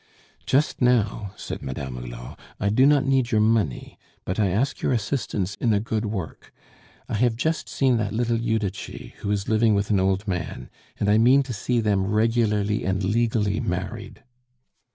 "Just now," said Madame Hulot, "I do not need your money, but I ask your assistance in a good work. I have just seen that little Judici, who is living with an old man, and I mean to see them regularly and legally married."